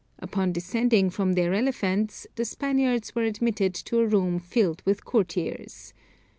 Upon descending from their elephants the Spaniards were admitted to a room filled with courtiers.